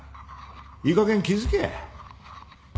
いいかげん気付け。